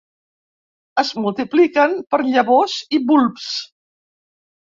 Es multipliquen per llavors i bulbs.